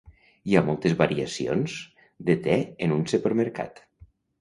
Hi ha moltes variacions de te en un supermercat.